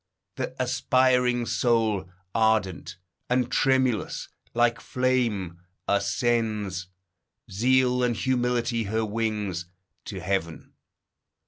Th' aspiring soul, Ardent, and tremulous, like flame, ascends, Zeal and humility her wings, to Heaven.